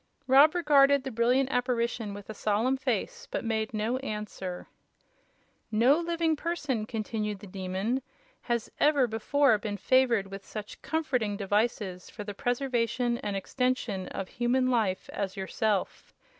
Rob regarded the brilliant apparition with a solemn face, but made no answer. "No living person," continued the Demon, "has ever before been favored with such comforting devices for the preservation and extension of human life as yourself.